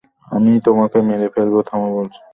আমি তোমাকে মেরে ফেলবো, থামো বলছি!